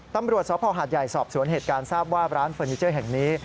ตำรวจสภหาดใหญ่สอบสวนเหตุการณ์ทราบว่าร้านเฟอร์นิเจอร์แห่งนี้